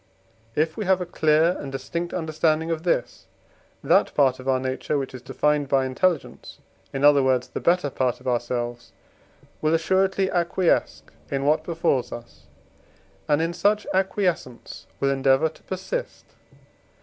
If we have a clear and distinct understanding of this, that part of our nature which is defined by intelligence, in other words the better part of ourselves, will assuredly acquiesce in what befalls us, and in such acquiescence will endeavour to persist.